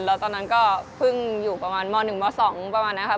แล้วตอนนั้นก็เพิ่งอยู่ประมาณม๑ม๒ประมาณนั้นครับ